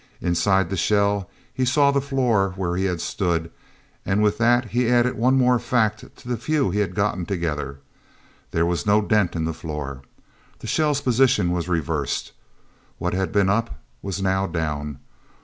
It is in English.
Inside the shell he saw the floor where he had stood, and with that he added one more fact to the few he had gotten together. There was no dent in the floor. The shell's position was reversed. What had been up was now down.